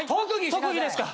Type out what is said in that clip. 特技ですか。